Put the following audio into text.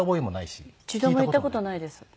一度も言った事ないです。